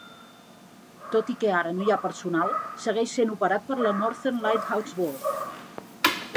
Tot i que ara no hi ha personal, segueix sent operat per la Northern Lighthouse Board.